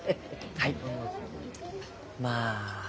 はい。